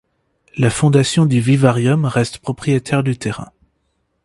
La fondation du Vivarium reste propriétaire du terrain.